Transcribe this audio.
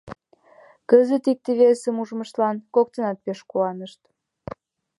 Кызыт икте-весым ужмыштлан коктынат пеш куанышт.